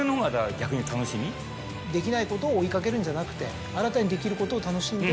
できないことを追い掛けるんじゃなくて新たにできることを楽しんで。